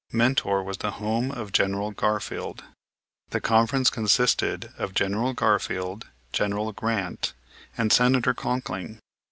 Mentor was the home of General Garfield. The conference consisted of General Garfield, General Grant, and Senator Conkling.